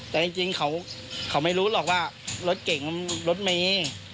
แต่จริงเขาไม่รู้หรอกว่ารถเก่งรถเมย์